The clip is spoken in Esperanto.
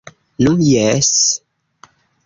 Nu, jes...